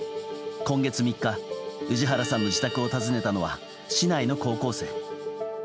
今月３日氏原さんの自宅を訪ねたのは市内の高校生。